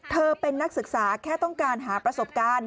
เป็นนักศึกษาแค่ต้องการหาประสบการณ์